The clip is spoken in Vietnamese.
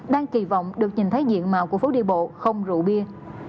đang kỳ vọng được nhìn thấy diện mạo của phố đi bộ không rượu bia